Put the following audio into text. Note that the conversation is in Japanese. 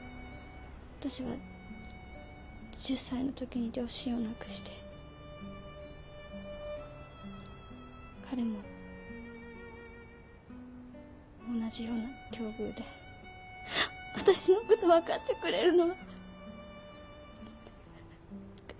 わたしは１０歳のときに両親を亡くして彼も同じような境遇でわたしのこと分かってくれるのは彼しかいないって。